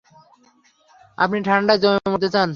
আপনি ঠান্ডায় জমে মরতে চান?